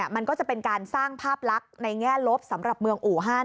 มันก็จะเป็นการสร้างภาพลักษณ์ในแง่ลบสำหรับเมืองอู่ฮั่น